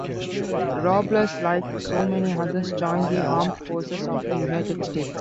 Robles, like so many others, joined the Armed Forces of the United States.